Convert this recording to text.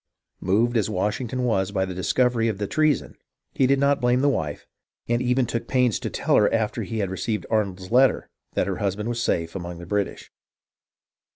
Moved as Washington was by the discovery of the treason, he did not blame the wife, and even took pains to tell her after he had received Arnold's letter that her husband was safe among the British.